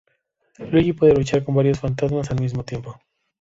Luigi puede luchar con varios fantasmas al mismo tiempo.